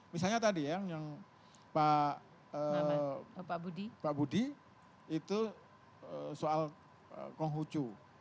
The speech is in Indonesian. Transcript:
misalnya tadi ya yang pak budi itu soal konghucu